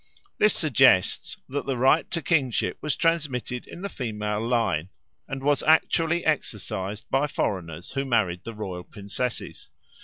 This suggests that the right to the kingship was transmitted in the female line, and was actually exercised by foreigners who married the royal princesses.